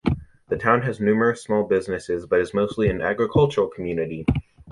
The town has numerous small businesses but is mostly an agricultural community.